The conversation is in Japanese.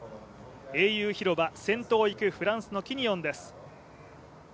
英雄広場、先頭を行くフランスのキニオンです。